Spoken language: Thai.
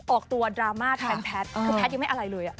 ออกตัวดราม่าแทนแพทย์คือแพทย์ยังไม่อะไรเลย